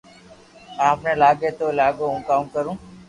آپ ني لاگي تو لاگو ھون ڪاو ڪرو